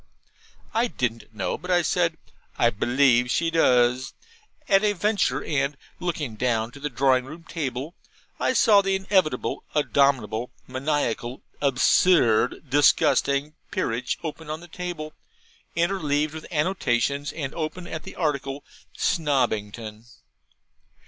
I didn't know, but I said, 'I believe she does,' at a venture; and, looking down to the drawing room table, saw the inevitable, abominable, maniacal, absurd, disgusting 'Peerage' open on the table, interleaved with annotations, and open at the article 'Snobbington.'